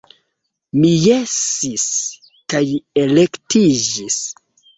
Mi jesis, kaj elektiĝis.